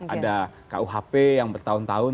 ada kuhp yang bertahun tahun